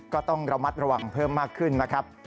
ก็ต้องระมัดระวังเพิ่มมากขึ้นนะครับ